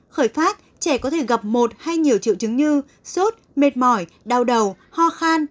khởi phát trẻ có thể gặp một hay nhiều triệu chứng như sốt mệt mỏi đau đầu ho khan